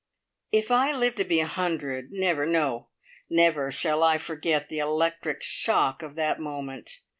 If I live to be a hundred, never no, never shall I forget the electric shock of that moment!